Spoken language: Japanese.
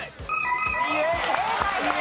正解です。